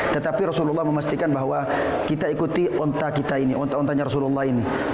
tetapi rasulullah memastikan bahwa kita ikuti onta kita ini onta ontanya rasulullah ini